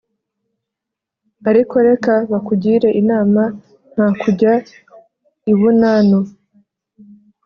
arko reka bakugire inama nta kujya i bunanu